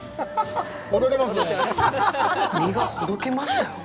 身がほどけましたよ！